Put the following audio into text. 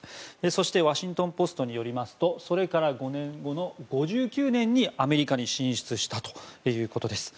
そしてワシントン・ポストによりますとそれから５年後の５９年にアメリカに進出したということです。